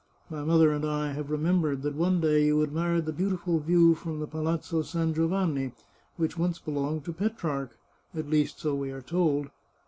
My mother and I have remembered that one day you admired the beautiful view from the Palaz zetto San Giovanni, which once belonged to Petrarch — at least, so we are told.